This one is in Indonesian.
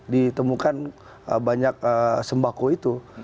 ditemukan banyak sembako itu